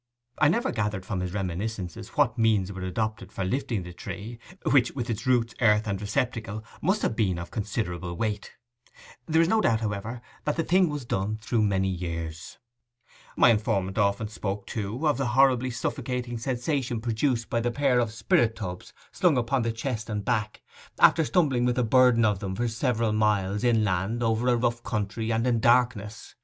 I never gathered from his reminiscences what means were adopted for lifting the tree, which, with its roots, earth, and receptacle, must have been of considerable weight. There is no doubt, however, that the thing was done through many years. My informant often spoke, too, of the horribly suffocating sensation produced by the pair of spirit tubs slung upon the chest and back, after stumbling with the burden of them for several miles inland over a rough country and in darkness.